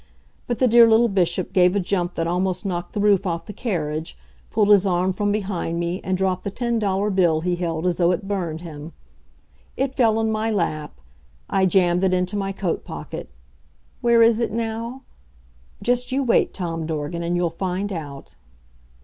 But the dear little Bishop gave a jump that almost knocked the roof off the carriage, pulled his arm from behind me and dropped the ten dollar bill he held as though it burned him. It fell in my lap. I jammed it into my coat pocket. Where is it now? Just you wait, Tom Dorgan, and you'll find out.